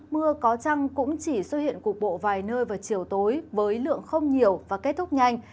mưa có trăng cũng chỉ xuất hiện cục bộ vài nơi vào chiều tối với lượng không nhiều và kết thúc nhanh